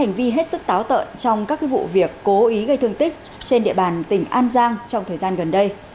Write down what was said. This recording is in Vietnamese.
hành vi hết sức táo tợn trong các vụ việc cố ý gây thương tích trên địa bàn tỉnh an giang trong thời gian gần đây